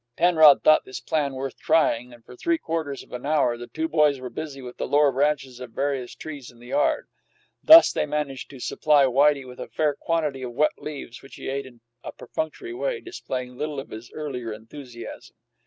Penrod thought this plan worth trying, and for three quarters of an hour the two boys were busy with the lower branches of various trees in the yard. Thus they managed to supply Whitey with a fair quantity of wet leaves, which he ate in a perfunctory way, displaying little of his earlier enthusiasm.